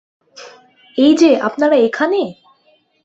এই-যে, আপনারা এখানে!